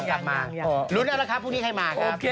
รู้แล้วแหละครับพรุ่งนี้ใครมาครับ